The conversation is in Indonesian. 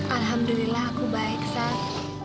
alhamdulillah aku baik sat